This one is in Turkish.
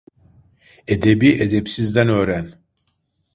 Edebi, edepsizden öğren.